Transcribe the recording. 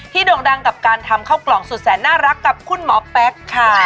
โด่งดังกับการทำข้าวกล่องสุดแสนน่ารักกับคุณหมอแป๊กค่ะ